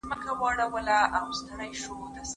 شاګرد له خپل لارښود سره مشوره وکړه.